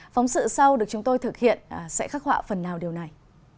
phóng sự sau được chúng tôi thực hiện sẽ khắc họa phần nào điều này